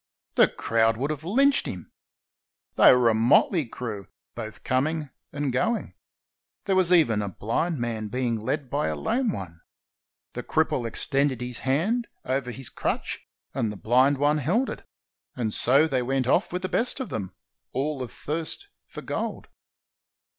The crowd would have lynched him. They were a motley crew, both coming and going. There was even a blind man being led by a lame one. The 489 ISLANDS OF THE PACIFIC cripple extended his hand over his crutch, and the bhnd one held it, and so they went off with the best of them, all athirst for gold.